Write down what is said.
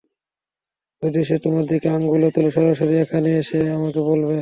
যদি সে তোমার দিকে আঙুলও তোলে সরাসরি এখানে এসে আমাকে বলবে।